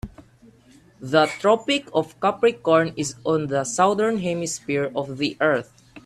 The Tropic of Capricorn is on the Southern Hemisphere of the earth.